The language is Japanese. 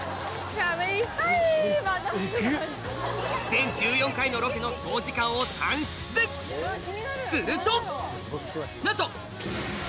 全１４回のロケの総時間を算出すると！